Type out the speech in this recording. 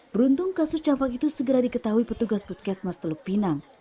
beruntung kasus campak itu segera diketahui petugas puskesmas teluk pinang